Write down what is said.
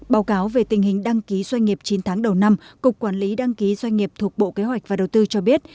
báo cáo về tình hình đăng ký doanh nghiệp chín tháng đầu năm cục quản lý đăng ký doanh nghiệp thuộc bộ kế hoạch và đầu tư cho biết